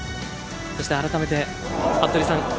そしてあらためて服部さん。